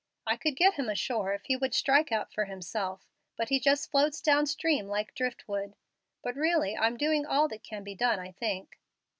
I could get him ashore if he would strike out for himself, but he just floats down stream like driftwood. But really I'm doing all that can be done, I think."